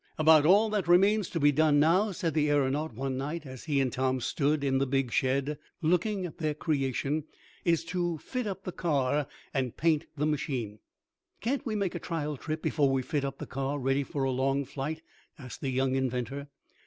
"About all that remains to be done now," said the aeronaut one night, as he and Tom stood in the big shed, looking at their creation, "is to fit up the car, and paint the machine." "Can't we make a trial trip before we fit up the car ready for a long flight?" asked the young inventor.